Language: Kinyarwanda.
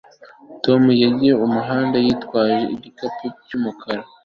Tom yagiye mumuhanda yitwaje igikapu cyumukara